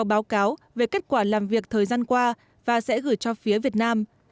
đoàn công tác sẽ có báo cáo về kết quả làm việc thời gian qua và sẽ gửi cho phía việt nam